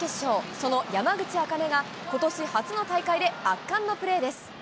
その山口茜がことし初の大会で圧巻のプレーです。